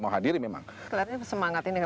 mau hadirin memang kelihatannya semangat ini